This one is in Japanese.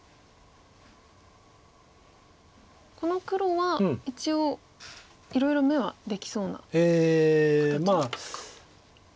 この黒は一応いろいろ眼はできそうな形なんですか。